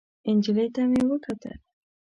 نجلۍ ته مې وکتل.